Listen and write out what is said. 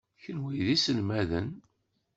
Kenwi d iselmaden.